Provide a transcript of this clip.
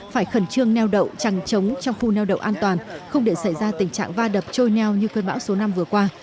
phải khẩn trương neo đậu chẳng chống trong khu neo đậu an toàn không để xảy ra tình trạng va đập trôi neo như cơn bão số năm vừa qua